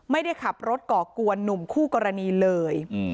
ไม่ได้ขับรถก่อกวนหนุ่มคู่กรณีเลย